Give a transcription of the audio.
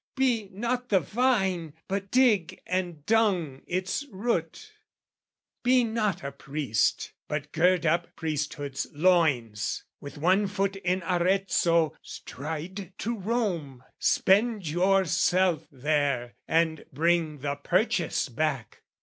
"Be not the vine but dig and dung its root, "Be not a priest but gird up priesthood's loins, "With one foot in Arezzo stride to Rome, "Spend yourself there and bring the purchase back!